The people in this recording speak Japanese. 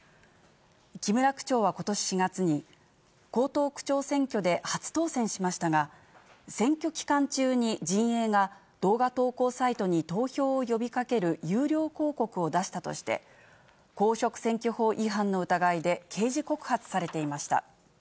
木村区長はことし４月に、江東区長選挙で初当選しましたが、選挙期間中に陣営が、動画投稿サイトに投票を呼びかける有料広告を出したとして、公職選挙法違反の疑いで刑事告発されていました。